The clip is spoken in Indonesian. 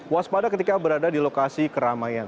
waspada ketika berada di lokasi keramaian